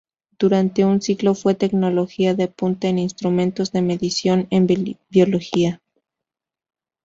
Durante un siglo, fue tecnología de punta en instrumentos de medición en biología.